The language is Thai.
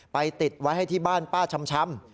ติดไว้ให้ที่บ้านป้าชำ